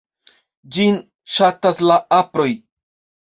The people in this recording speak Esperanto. Ĝin ŝatas la aproj.